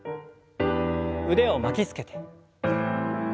腕を巻きつけて。